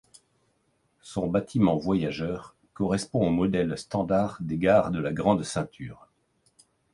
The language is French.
Son bâtiment voyageurs correspond au modèle standard des gares de de la Grande Ceinture.